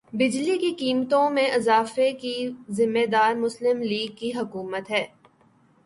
بجلی کی قیمتوں میں اضافے کی ذمہ دار مسلم لیگ کی حکومت ہے